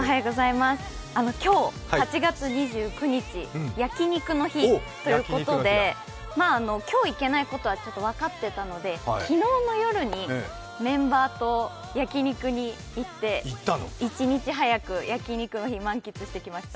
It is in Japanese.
今日、８月２９日、焼肉の日ということで今日行けないことはちょっと分かっていたので昨日の夜にメンバーと焼肉に行って一日早く焼肉の日、満喫してきました。